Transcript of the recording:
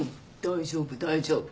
大丈夫大丈夫。